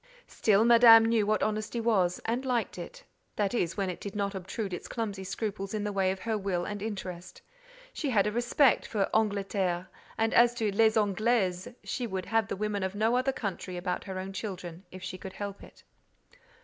Still, Madame knew what honesty was, and liked it—that is, when it did not obtrude its clumsy scruples in the way of her will and interest. She had a respect for "Angleterre;" and as to "les Anglaises," she would have the women of no other country about her own children, if she could help it.